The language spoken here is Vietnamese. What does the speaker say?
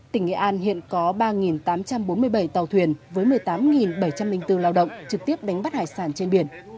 tỉnh nghệ an hiện có ba tám trăm bốn mươi bảy tàu thuyền với một mươi tám bảy trăm linh bốn lao động trực tiếp đánh bắt hải sản trên biển